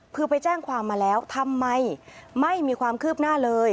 คือไปแจ้งความมาแล้วทำไมไม่มีความคืบหน้าเลย